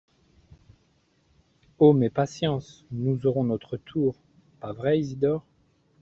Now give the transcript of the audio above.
Oh ! mais patience, nous aurons notre tour ! pas vrai Isidore ?